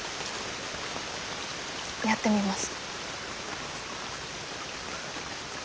やってみます。